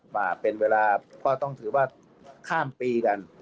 มาเป็นเวลาเพราะต้องถือว่าข้ามปีกัน